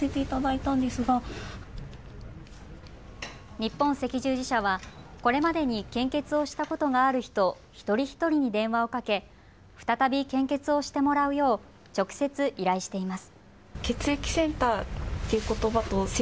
日本赤十字社はこれまでに献血をしたことがある人、一人一人に電話をかけ再び献血をしてもらうよう直接、依頼しています。